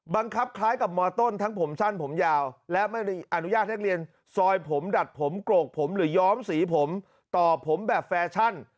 บังคับคล้ายกับมต้นทั้งผมสั้นผมยาวและไม่อนุญาตให้นักเรียนซอยผมดัดผมโกรกผมหรือย้อมสีผมต่อผมแบบแฟชั่น